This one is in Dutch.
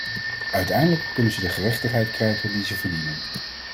Uiteindelijk kunnen ze de gerechtigheid krijgen die ze verdienen.